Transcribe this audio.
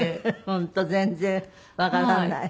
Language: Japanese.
本当全然わからない。